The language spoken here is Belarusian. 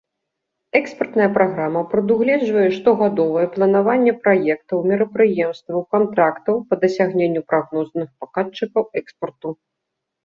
Экспартная праграма прадугледжвае штогадовае планаванне праектаў, мерапрыемстваў, кантрактаў па дасягненню прагнозных паказчыкаў экспарту.